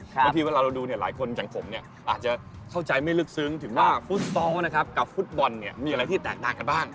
บางทีเวลาเราดูเนี่ยหลายคนอย่างผมเนี่ยอาจจะเข้าใจไม่ลึกซึ้งถึงว่าฟุตซอลนะครับกับฟุตบอลเนี่ยมีอะไรที่แตกต่างกันบ้าง